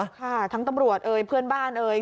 ค่ะทั้งตำรวจเอ่ยเพื่อนบ้านเอ่ย